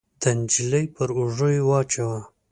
د نجلۍ پر اوږو يې واچاوه.